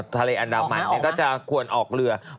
ทะเลอันดามันก็จะควรออกเรือออกไหมออกไหม